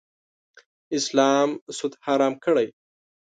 اسلام سود حرام کړی.